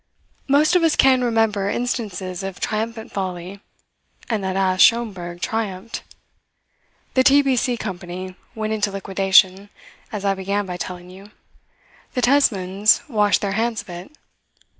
Most of us can remember instances of triumphant folly; and that ass Schomberg triumphed. The T.B.C. Company went into liquidation, as I began by telling you. The Tesmans washed their hands of it.